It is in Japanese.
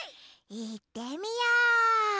いってみよう！